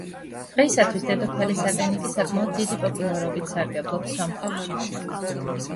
დღეისათვის დედოფალი სატენიკი საკმაოდ დიდი პოპულარობით სარგებლობს სომხებში.